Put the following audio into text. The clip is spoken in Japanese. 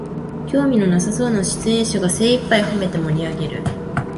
興味のなさそうな出演者が精いっぱいほめて盛りあげる